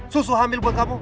susu hamil buat kamu